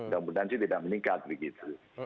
kemudian tidak meningkat begitu